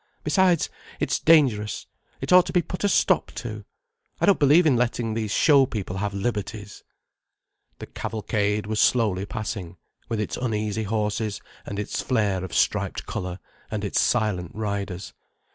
Besides, it's dangerous. It ought to be put a stop to. I don't believe in letting these show people have liberties." The cavalcade was slowly passing, with its uneasy horses and its flare of striped colour and its silent riders.